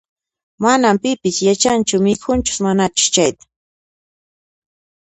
Manas pipis yachanchu mikhunchus manachus chayta